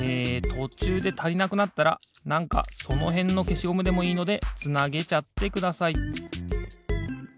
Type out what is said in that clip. とちゅうでたりなくなったらなんかそのへんのけしゴムでもいいのでつなげちゃってください。